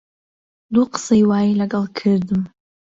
دوو قسەی وای لەگەڵ کردم